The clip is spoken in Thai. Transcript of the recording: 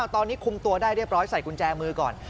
ตอนนี้คุมตัวได้เรียบร้อยใส่กุญแจมือก่อน